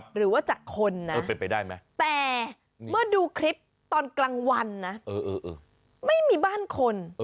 หรือว่าจากคนนะแต่เมื่อดูคลิปตอนกลางวันนะไม่มีบ้านคน